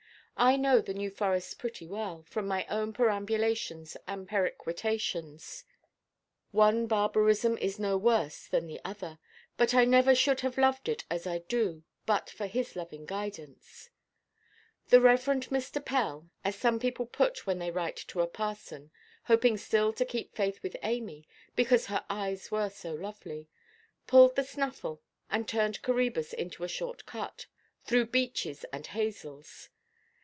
I know the New Forest pretty well, from my own perambulations and perequitations—one barbarism is no worse than the other—but I never should have loved it as I do but for his loving guidance. The Rev. Mr. Pell, as some people put when they write to a parson,—hoping still to keep faith with Amy, because her eyes were so lovely,—pulled the snaffle, and turned Coræbus into a short cut, through beeches and hazels.